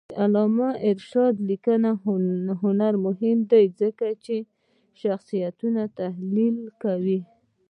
د علامه رشاد لیکنی هنر مهم دی ځکه چې شخصیتونه تحلیل کوي.